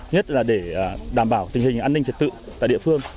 nhất là để đảm bảo tình hình an ninh trật tự tại địa phương